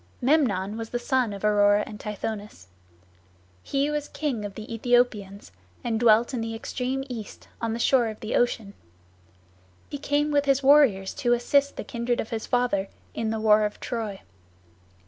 Memnon was the son of Aurora and Tithonus. He was king of the Aethiopians, and dwelt in the extreme east, on the shore of Ocean. He came with his warriors to assist the kindred of his father in the war of Troy.